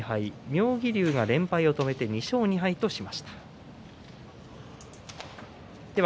妙義龍が連敗を止めて２勝２敗としました。